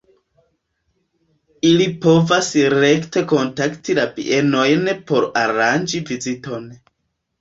Ili povas rekte kontakti la bienojn por aranĝi viziton.